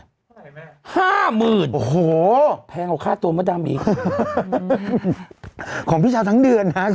เท่าไหร่ไหมห้าหมื่นโอ้โหแพงกว่าค่าตัวมดดำอีกของพี่ชาวทั้งเดือนฮะ